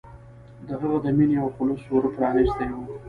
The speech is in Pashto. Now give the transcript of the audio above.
د هغه د مینې او خلوص ور پرانستی و.